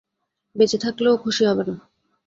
বেঁচে থাকলে ও খুশি হবে না।